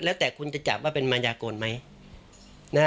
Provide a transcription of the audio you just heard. แล้วแต่คุณจะจับว่าเป็นมารยากลไหม